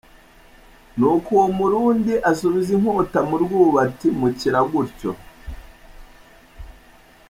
Nuko uwo murundi asubiza inkota mu rwubati mukira gutyo.